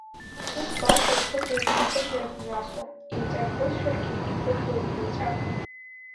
Ус, баша аԥхыӡеиԥш, акымзарак мҩасуам, еҵәак кыдшәаргьы икыдлоит еҵәак…